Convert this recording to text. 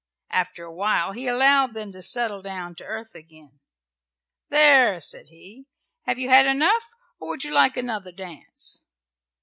After awhile he allowed them to settle down to earth again. "There!" said he. "Have you had enough, or would you like another dance?"